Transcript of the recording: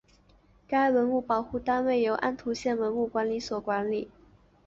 该文物保护单位由安图县文物管理所管理。